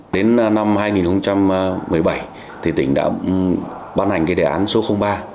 đến năm hai nghìn một mươi bảy thì tỉnh đã ban hành cái đề án số ba